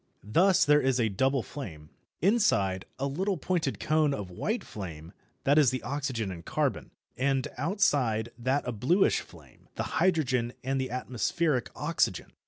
Thus there is a double flame: inside, a little pointed cone of white flame, that is the oxygen and carbon; and outside that a bluish flame, the hydrogen and the atmospheric oxygen.